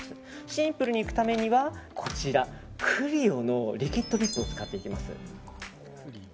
シンプルにいくためにはクリオのリキッドリップを使っていきます。